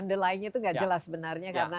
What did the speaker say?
underline nya itu nggak jelas sebenarnya karena